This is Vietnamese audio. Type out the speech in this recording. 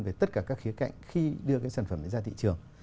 về tất cả các khía cạnh khi đưa cái sản phẩm đấy ra thị trường